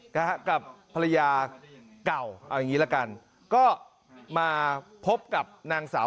นะฮะกับภรรยาเก่าเอาอย่างงี้ละกันก็มาพบกับนางสาว